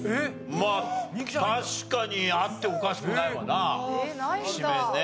まあ確かにあっておかしくないわなきしめんね。